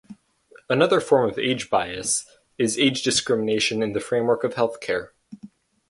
Another form of age bias is age discrimination in the framework of health care.